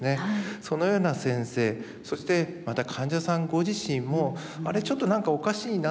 そのような先生そしてまた患者さんご自身もあれちょっと何かおかしいなと。